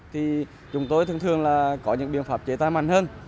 thì chúng tôi thường thường là có những biện pháp chế tai mạnh hơn